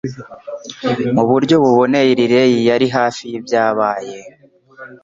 Muburyo buboneye Riley, yari hafi yibyabaye